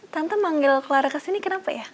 tante manggil clara ke sini kenapa ya